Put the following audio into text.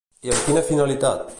I amb quina finalitat?